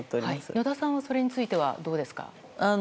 野田さんはそれについてはどうですか？